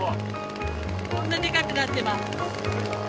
こんなでかくなってます。